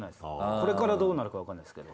これからどうなるかわかんないですけど。